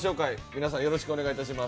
皆さんよろしくお願い致します。